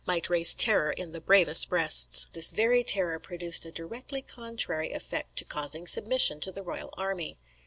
] "might raise terror in the bravest breasts; this very terror produced a directly contrary effect to causing submission to the royal army.